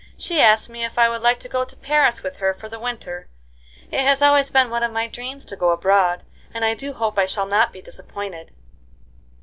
She asked me if I would like to go to Paris with her for the winter. It has always been one of my dreams to go abroad, and I do hope I shall not be disappointed."